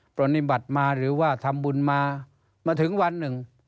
รณิบัติมาหรือว่าทำบุญมามาถึงวันหนึ่ง